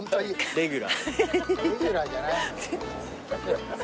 レギュラーじゃないの。